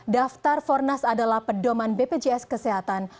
daftar fornas adalah pedoman bpjs kesehatan